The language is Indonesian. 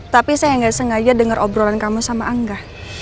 tapi saya nggak sengaja denger obrolan kamu sama angga